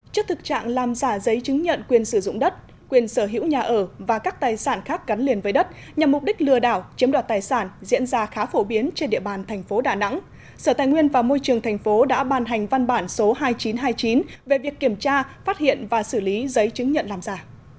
trước thực trạng làm giả giấy chứng nhận quyền sử dụng đất quyền sở hữu nhà ở và các tài sản khác gắn liền với đất nhằm mục đích lừa đảo chiếm đoạt tài sản diễn ra khá phổ biến trên địa bàn thành phố đà nẵng sở tài nguyên và môi trường thành phố đã ban hành văn bản số hai nghìn chín trăm hai mươi chín về việc kiểm tra phát hiện và xử lý giấy chứng nhận làm giả